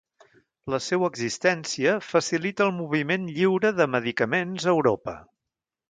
La seua existència facilita el moviment lliure de medicaments a Europa.